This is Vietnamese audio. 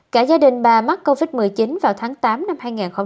cả gia đình bà mắc covid một mươi chín vào tháng tám năm hai nghìn hai mươi